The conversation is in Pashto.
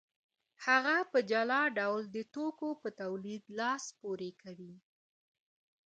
هغه په جلا ډول د توکو په تولید لاس پورې کوي